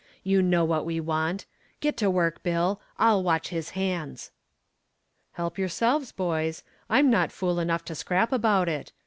You know what we want. Get to work, Bill; I'll watch his hands." "Help yourselves, boys. I'm not fool enough to scrap about it.